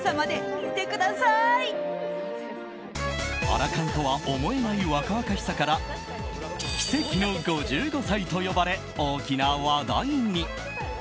アラ還とは思えない若々しさから奇跡の５５歳と呼ばれ大きな話題に。